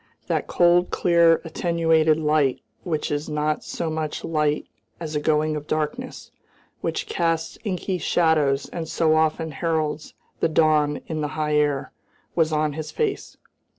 That cold, clear, attenuated light which is not so much light as a going of darkness, which casts inky shadows and so often heralds the dawn in the high air, was on his face.